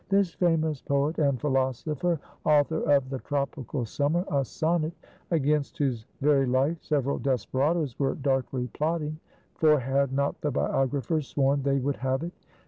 this famous poet, and philosopher, author of "The Tropical Summer: a Sonnet;" against whose very life several desperadoes were darkly plotting (for had not the biographers sworn they would have it!)